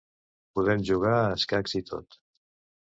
Podem jugar a escacs i tot.